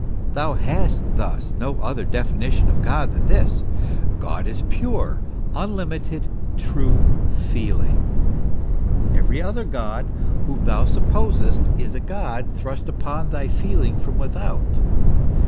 Thou hast thus no other defi nition of God than this ; God is pure, unlimited, free Feeling. Every other God, whom thou supposest, is a God thrust upon thy feeling from without.